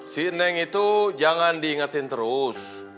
si neng itu jangan diingetin terus